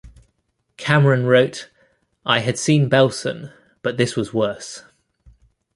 Cameron wrote, I had seen Belsen, but this was worse.